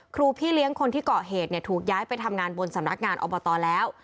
พี่เลี้ยงคนที่เกาะเหตุเนี่ยถูกย้ายไปทำงานบนสำนักงานอบตแล้ว